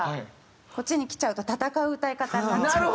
こっちに来ちゃうと戦う歌い方になっちゃうとか。